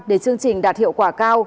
để chương trình đạt hiệu quả cao